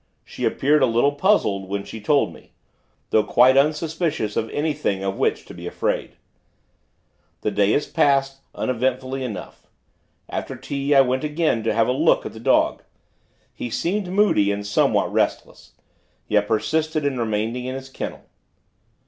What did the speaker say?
She appeared a little puzzled, when she told me; though quite unsuspicious of anything of which to be afraid. The day has passed, uneventfully enough. After tea, I went, again, to have a look at the dog. He seemed moody, and somewhat restless; yet persisted in remaining in his kennel.